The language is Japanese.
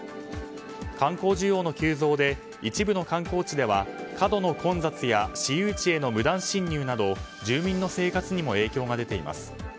観光需要の急増で一部の観光地では過度の混雑や私有地への無断侵入など住民の生活にも影響が出ています。